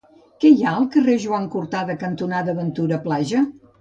Què hi ha al carrer Joan Cortada cantonada Ventura Plaja?